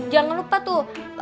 jangan lupa tuh